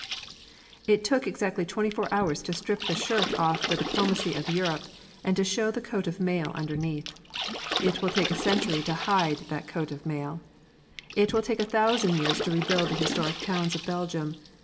It took exactly twenty four hours to strip the shirt off the diplomacy of Europe and show the coat of mail underneath. It will take a century to hide that coat of mail. It will take a thousand years to rebuild the historic towns of Belgium.